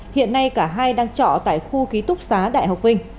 hiện nay cả hai đang trọ tại khu ký túc xá đại học vinh